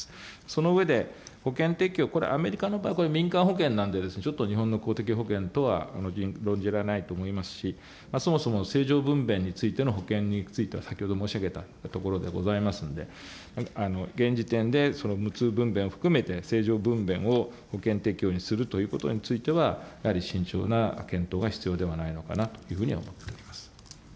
その上で、保険適用、これ、アメリカの場合、これ、民間保険なんで、ちょっと日本の公的保険とは論じられないと思いますし、そもそも正常分娩についての保険については先ほど申し上げたところでございますので、現時点で無痛分娩含めて、正常分娩を保険適用にするということについては、やはり慎重な検討が必要ではないのかなというふうに思っておりま